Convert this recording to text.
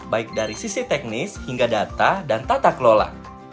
baik dari sisi teknis hingga data dan tata kelola